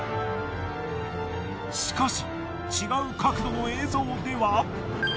しかし違う角度の映像では。